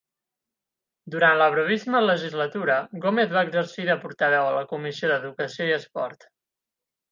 Durant la brevíssima legislatura, Gómez va exercir de portaveu a la comissió d'Educació i Esport.